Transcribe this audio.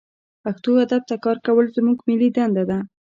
پښتو ادب ته کار کول زمونږ ملي دنده ده